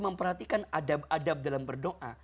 memperhatikan adab adab dalam berdoa